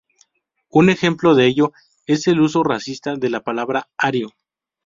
Un ejemplo de ello es el uso racista de la palabra "ario".